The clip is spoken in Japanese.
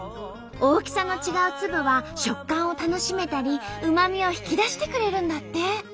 大きさの違う粒は食感を楽しめたりうまみを引き出してくれるんだって。